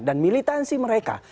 dan militan sih mereka